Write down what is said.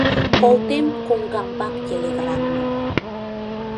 Колтем коҥгамбак телеграммым